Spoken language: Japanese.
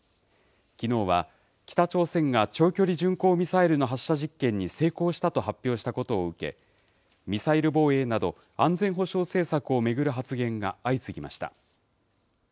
きのうは北朝鮮が長距離巡航ミサイルの発射実験に成功したと発表したことを受け、ミサイル防衛など、安全保障政策を巡る発言が相次ぎました。